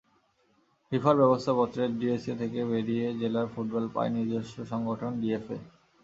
ফিফার ব্যবস্থাপত্রে ডিএসএ থেকে বেরিয়ে জেলার ফুটবল পায় নিজস্ব সংগঠন ডিএফএ।